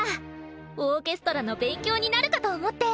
オーケストラの勉強になるかと思って。